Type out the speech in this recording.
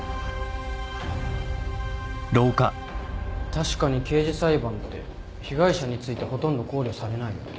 確かに刑事裁判って被害者についてほとんど考慮されないよね。